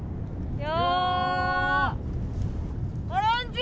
・よ！